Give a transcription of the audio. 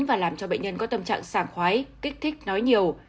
và làm cho bệnh nhân có tâm trạng sàng khoái kích thích nói nhiều